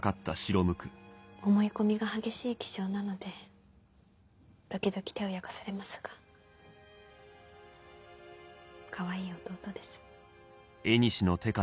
思い込みが激しい気性なので時々手を焼かされますがかわいい弟です。